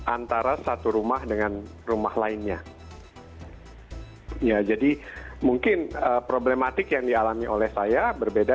antara satu rumah dengan rumah lainnya ya jadi mungkin problematik yang dialami oleh saya berbeda